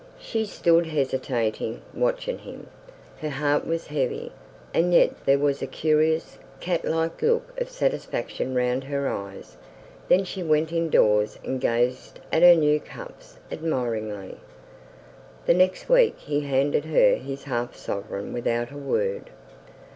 She stood hesitating, watching him. Her heart was heavy, and yet there was a curious, cat like look of satisfaction round her eyes. Then she went indoors and gazed at her new cups, admiringly. The next week he handed her his half sovereign without a word.